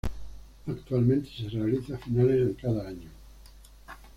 Actualmente se realiza a finales de cada año.